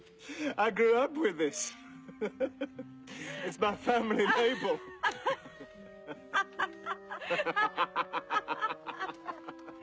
アハハハ。